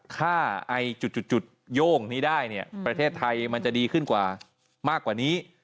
ค่าไอจุดโย่งนี้ได้ประเทศไทยมันจะดีขึ้นมากกว่านี้